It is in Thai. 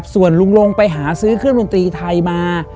ส่วนลุงลงไปหาซื้อเครื่องดนตรีไทยมา